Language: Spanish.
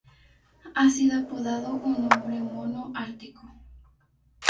Ha sido apodado "un hombre Mono Ártico".